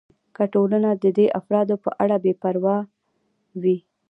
که ټولنه د دې افرادو په اړه بې پروا وي.